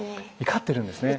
怒ってるんですね。